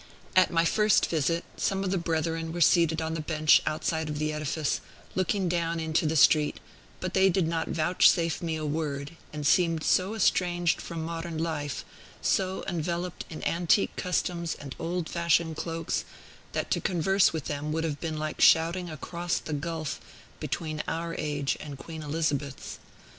At my first visit, some of the brethren were seated on the bench outside of the edifice, looking down into the street; but they did not vouchsafe me a word, and seemed so estranged from modern life, so enveloped in antique customs and old fashioned cloaks, that to converse with them would have been like shouting across the gulf between our age and Queen Elizabeth's.